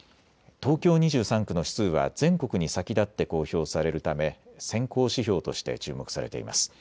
東京２３区の指数は全国に先立って公表されるため先行指標として注目されています。